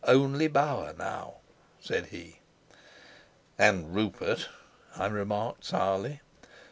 "Only Bauer now!" said he. "And Rupert," I remarked sourly.